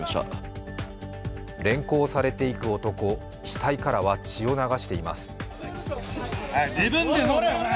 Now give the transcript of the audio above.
連行されていく男、額からは血を流しています。